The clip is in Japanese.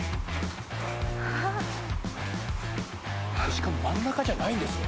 しかも真ん中じゃないんですね。